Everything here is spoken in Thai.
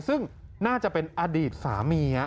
ซึ่งน่าจะเป็นอดีตสามี